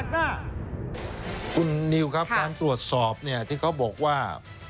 คุณนิวครับตัวสอบที่เขาบอกว่า